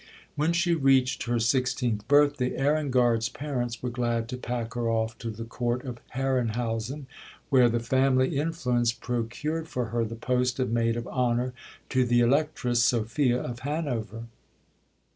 When she reached her sixteenth birthday, Ehrengard's parents were glad to pack her off to the Court of Herrenhausen, where the family influence procured for her the post of maid of honour to the Electress Sophia of Hanover.